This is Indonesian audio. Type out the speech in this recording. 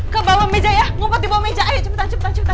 ke bawah meja ya ngomong di bawah meja ayo cepetan cepetan cepetan